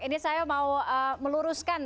ini saya mau meluruskan